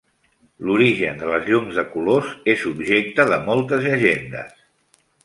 L'origen de les llums de colors és objecte de moltes llegendes.